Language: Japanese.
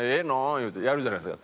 言うてやるじゃないですか。